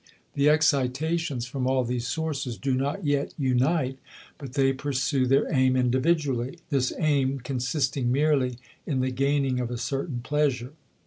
The excitations from all these sources do not yet unite, but they pursue their aim individually this aim consisting merely in the gaining of a certain pleasure.